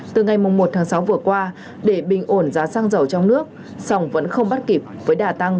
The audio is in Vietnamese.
từ ngày một tháng sáu vừa qua để bình ổn giá xăng dầu trong nước song vẫn không bắt kịp với đà tăng